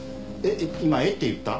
今「えっ？」って言った？